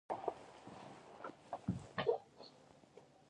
په افغانستان کې وحشي حیوانات د ژوند په کیفیت تاثیر کوي.